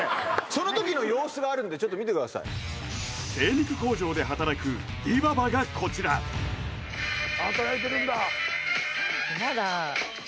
そのときの様子があるんでちょっと見てください精肉工場で働くでぃばばがこちら働いてるんだ